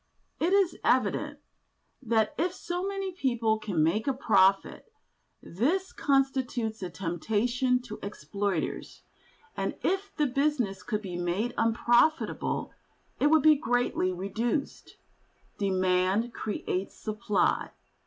It is evident that if so many people can make a profit, this constitutes a temptation to exploiters, and if the business could be made unprofitable, it would be greatly reduced. Demand creates supply.